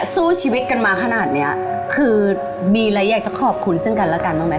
ซึ่งกันละกันบ้างไหมคะ